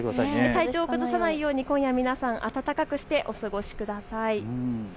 体調を崩さないように皆さん暖かくしてお過ごしください。